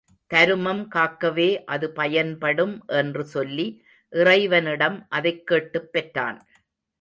தருமம் காக்கவே அது பயன்படும் என்று சொல்லி இறைவனிடம் அதைக் கேட்டுப் பெற்றான்.